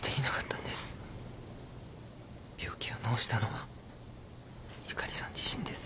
病気を治したのはゆかりさん自身です。